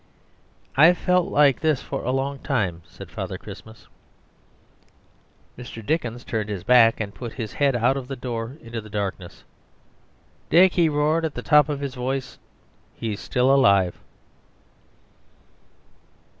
"I've felt like this for a long time," said Father Christmas. Mr. Dickens turned his back and put his head out of the door into the darkness. "Dick," he roared at the top of his voice; "he's still alive."